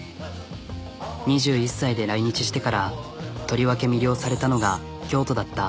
２１歳で来日してからとりわけ魅了されたのが京都だった。